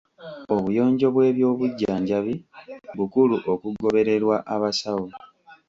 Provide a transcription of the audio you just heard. Obuyonjo bw'ebyobujjanjabi bukulu okugobererwa abasawo.